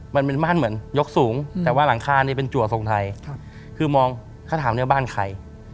มันเป็นบ้านเหมือนยกสูงแต่ว่าหลังคานี่เป็นจัวทรงไทยคือมองถ้าถามเนี่ยบ้านใคร